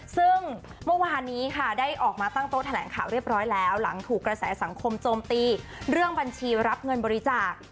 ซึ่งเมื่อวานนี้ค่ะได้ออกมาตั้งโต๊ะแถลงข่าวเรียบร้อยแล้วหลังถูกกระแสสังคมโจมตีเรื่องบัญชีรับเงินบริจาค